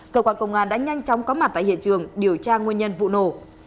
cơ quan công an đã nhanh chóng có mặt tại hiện trường điều tra nguyên nhân vụ nổ